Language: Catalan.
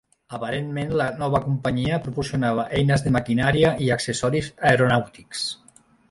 Aparentment, la nova companyia proporcionava eines de maquinària i accessoris aeronàutics.